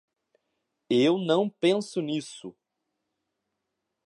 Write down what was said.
Eu não penso nisso!